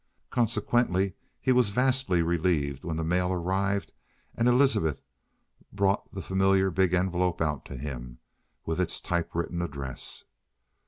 Consequently he was vastly relieved when the mail arrived and Elizabeth brought the familiar big envelope out to him, with its typewritten address.